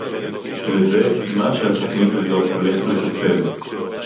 וזה מה שהתוכנית הזאת הולכת לחסל